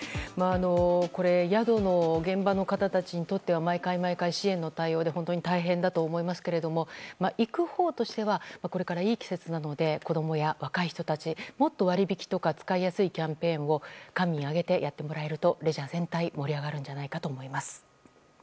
宿の現場の方たちにとっては毎回毎回、支援の対応で本当に大変だと思いますが行くほうとしてはこれからいい季節なので子供や若い人たちにもっと割引とか使いやすいキャンペーンを官民挙げてやっていただけるとレジャー全体が盛り上がるんじゃないかと思います。